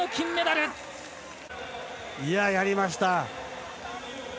やりました。